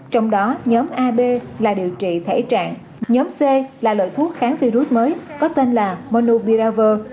trong đó nhóm ab là điều trị thể trạng nhóm c là loại thuốc kháng virus mới có tên là monobiraver